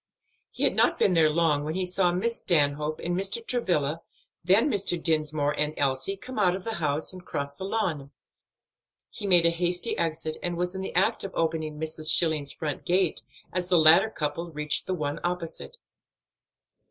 He had not been there long, when he saw Miss Stanhope and Mr. Travilla, then Mr. Dinsmore and Elsie, come out of the house and cross the lawn. He made a hasty exit and was in the act of opening Mrs. Schilling's front gate as the latter couple reached the one opposite.